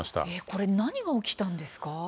これ何が起きたんですか？